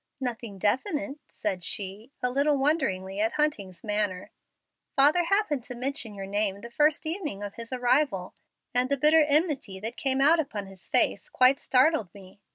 "Nothing definite," said she, a little wonderingly at Hunting's manner. "Father happened to mention your name the first evening of his arrival, and the bitter enmity that came out upon his face quite startled me.